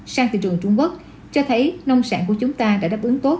sang thị trường trung quốc cho thấy nông sản của chúng ta đã đáp ứng tốt